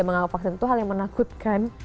mengawal vaksin itu hal yang menakutkan